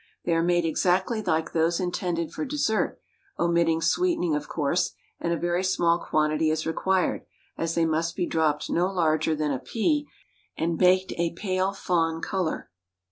They are made exactly like those intended for dessert, omitting sweetening of course, and a very small quantity is required, as they must be dropped no larger than a pea, and baked a pale fawn color.